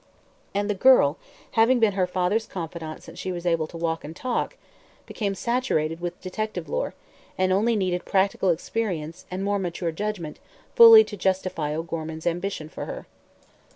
And the girl, having been her father's confidant since she was able to walk and talk, became saturated with detective lore and only needed practical experience and more mature judgment fully to justify O'Gorman's ambition for her.